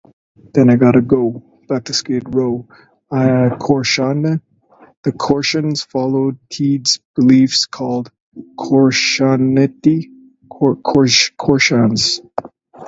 The Koreshans followed Teed's beliefs, called Koreshanity.